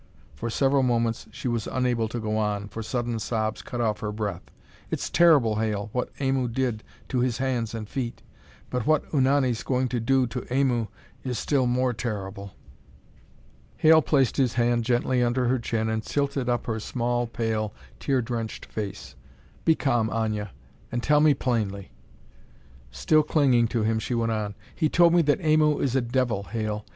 For several moments she was unable to go on, for sudden sobs cut off her breath. "It's terrible, Hale, what Aimu did to his hands and feet, but what Unani's going to do to Aimu is still more terrible." Hale placed his hand gently under her chin and tilted up her small, pale, tear drenched face. "Be calm, Aña, and tell me plainly." Still clinging to him, she went on. "He told me that Aimu is a devil, Hale.